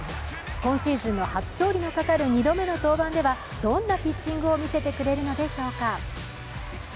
今シーズンの初勝利のかかる２度目の登板ではどんなピッチングを見せてくれるのでしょうか。